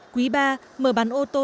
quý ba mở bán ô tô